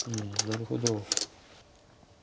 なるほど。